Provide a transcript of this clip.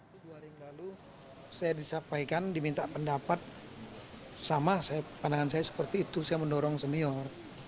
dua hari yang lalu saya disampaikan diminta pendapat sama pandangan saya seperti itu saya mendorong senior